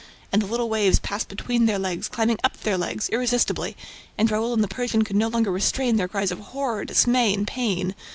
And the little waves passed between their legs, climbing up their legs, irresistibly, and Raoul and the Persian could no longer restrain their cries of horror, dismay and pain.